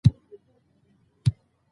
د لیکوالو ورځ د هغوی د ژوند یادونه ده.